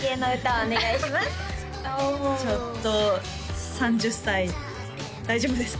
おちょっと３０歳大丈夫ですか？